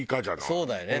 そうだよね。